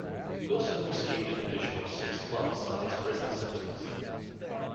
Wilson received an additional six months on his prison sentence.